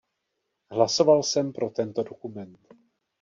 Hlasoval jsem pro tento dokument.